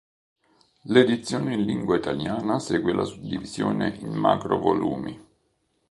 L'edizione in lingua italiana segue la suddivisione in macro volumi.